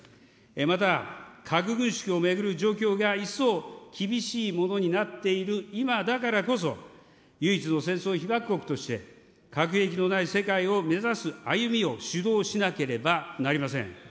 また核軍縮を巡る状況が一層厳しいものになっている今だからこそ、唯一の戦争被爆国として、核兵器のない世界を目指す歩みを主導しなければなりません。